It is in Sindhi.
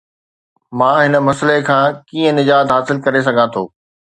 مان هن مسئلي کان ڪيئن نجات حاصل ڪري سگهان ٿو؟